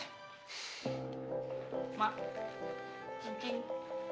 nyuncing apaan tuh